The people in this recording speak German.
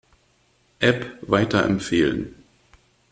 App weiterempfehlen.